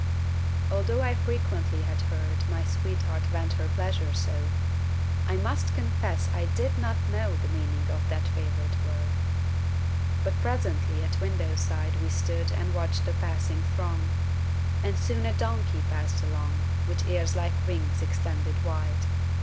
Although I frequently had heard My sweetheart vent her pleasure so, I must confess I did not know The meaning of that favorite word. But presently at window side We stood and watched the passing throng, And soon a donkey passed along With ears like wings extended wide.